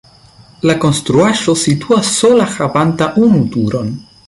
La konstruaĵo situas sola havanta unu turon.